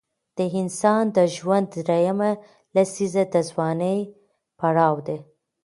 د انسان د ژوند دریمه لسیزه د ځوانۍ پړاو دی.